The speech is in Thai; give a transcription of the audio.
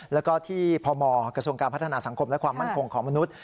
แล้วก็ที่พมกระทรวงการพัฒนาสังคมและความมั่นคงของมนุษย